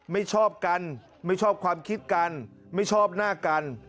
ไม่ชอบกันไม่ชอบความคิดกันไม่ชอบหน้ากัน